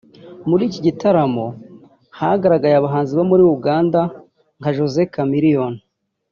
muri iki gitaramo hagaragaye abahanzi bo muri Uganda nka Jose Chameleone